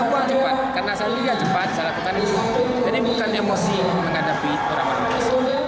jadi bukan emosi menghadapi orang orang di sini